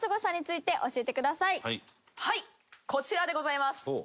はいこちらでございます。